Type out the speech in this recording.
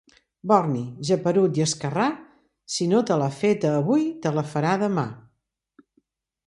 Borni, geperut i esquerrà, si no te l'ha feta avui te la farà demà.